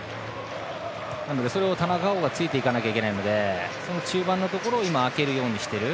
それを田中碧がついていかないといけないので中盤のところを空けるようにしている。